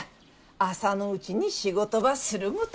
朝のうちに仕事ばするごた。